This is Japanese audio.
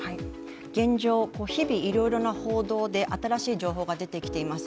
現状、日々、いろいろな報道で新しい情報が出てきています。